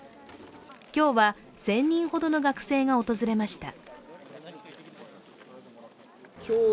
今日は１０００人ほどの学生が訪れました。